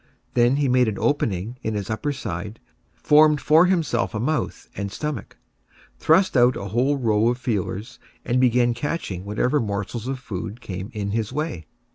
Then he made an opening in his upper side, formed for himself a mouth and stomach, thrust out a whole row of feelers, and began catching whatever morsels of food came in his way.